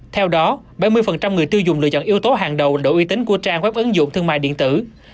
theo đó bảy mươi người tiêu dùng lựa chọn yếu tố hàng đầu uy tín của trang web ứng dụng thương mại điện tử